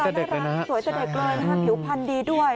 สวยแต่เด็กเลยฮะผิวพันธ์ดีด้วย